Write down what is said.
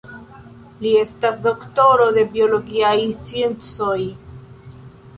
Li estas doktoro de biologiaj sciencoj.